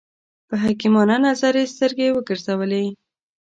په حکیمانه نظر یې سترګې وګرځولې.